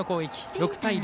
６対０。